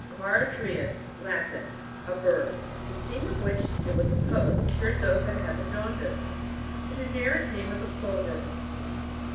Charaorius. — Latin. (A bird, the seeing of which, it was supposed, cured those that hud the jaundice.) The generic name of the Plover.